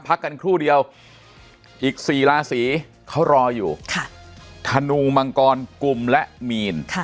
พักกันครู่เดียวอีก๔ราศีเขารออยู่ธนูมังกรกลุ่มและมีน